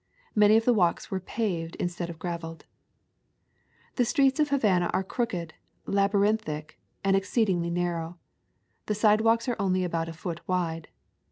Many of the walks were paved instead of graveled. The streets of Havana are crooked, laby rinthic, and exceedingly narrow. The sidewalks are only about a foot wide.